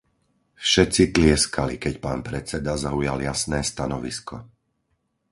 Všetci tlieskali, keď pán predseda zaujal jasné stanovisko.